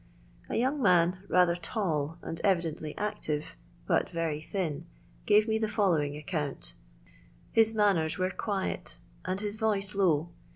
ing man, rather tall, and evidently active, thin, gave me the following acconnt His manners were quiet and his Toiee low.